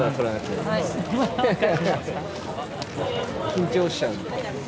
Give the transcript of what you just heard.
緊張しちゃうんで。